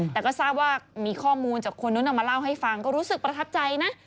แต่ก็ทราบว่ามีข้อมูลจากคนนู้นเอามาเล่าให้ฟังก็รู้สึกประทับใจนะ